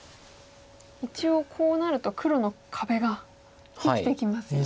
一応こうなると黒の壁が生きてきますよね。